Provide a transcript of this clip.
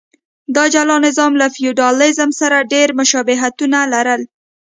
دا جلا نظام له فیوډالېزم سره ډېر مشابهتونه لرل.